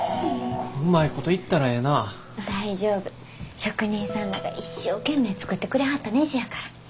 職人さんらが一生懸命作ってくれはったねじやから。